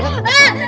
tuhan tolong bantu